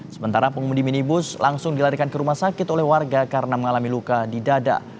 sementara pengumudi minibus langsung dilarikan ke rumah sakit oleh warga karena mengalami luka di dada